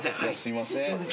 すいません。